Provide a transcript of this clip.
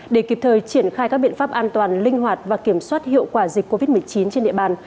để kịp thời triển khai các biện pháp an toàn linh hoạt và kiểm soát hiệu quả dịch covid một mươi chín trên địa bàn